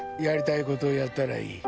やりたいことやったらいい。